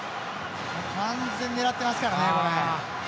完全に狙っていますからね。